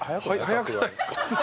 早くないですか？